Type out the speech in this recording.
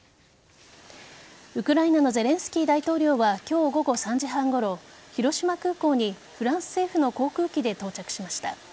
ウクライナのゼレンスキー大統領は今日午後３時半ごろ広島空港にフランス政府の航空機で到着しました。